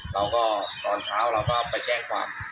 เราก็ตอนเช้าเราก็ไปแจ้งความ